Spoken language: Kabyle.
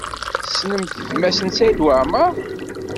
Tessnem gma-s n Saɛid Waɛmaṛ?